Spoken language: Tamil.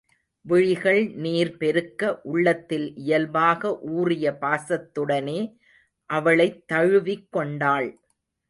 விழிகள் நீர் பெருக்க உள்ளத்தில் இயல்பாக ஊறிய பாசத்துடனே அவளைத் தழுவிக் கொண்டாள்.